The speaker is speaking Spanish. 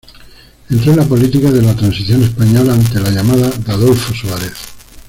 Entró en la política de la Transición Española ante la llamada de Adolfo Suárez.